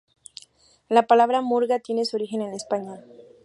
La palabra "murga" tiene su origen en España.